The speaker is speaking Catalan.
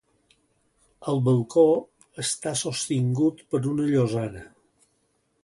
El balcó està sostingut per una llosana.